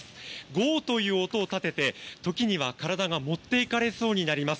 ゴーという音を立てて時には体が持っていかれそうになります。